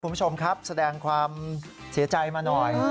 คุณผู้ชมครับแสดงความเสียใจมาหน่อย